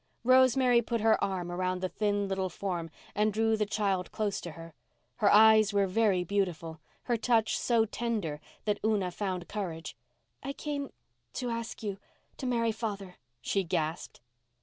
Rosemary put her arm around the thin little form and drew the child close to her. Her eyes were very beautiful—her touch so tender that Una found courage. "I came—to ask you—to marry father," she gasped.